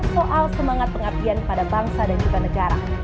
soal semangat pengabdian pada bangsa dan juga negara